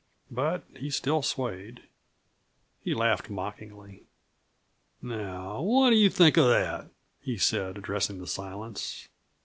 But he still swayed. He laughed mockingly. "Now, what do you think of that?" he said, addressing the silence.